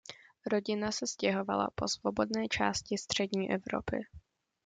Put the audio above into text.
Rodina se stěhovala po svobodné části střední Evropy.